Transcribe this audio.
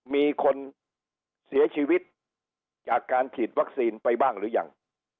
มีคนเสียชีวิตจากการฉีดวัคซีนไปบ้างหรือยัง